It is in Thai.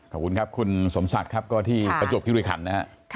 ขอบคุณครับคุณสมศักดิ์ที่ประจวบคิดวิขันต์